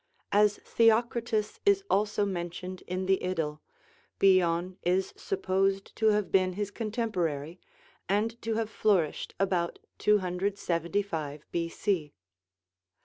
As Theocritus is also mentioned in the idyl, Bion is supposed to have been his contemporary, and to have flourished about 275 B. C.